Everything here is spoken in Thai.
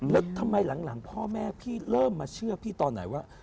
แล้วทำไมหลังพ่อแม่พี่เริ่มมาเชื่อพี่ตอนไหนว่า